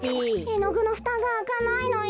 えのぐのふたがあかないのよ。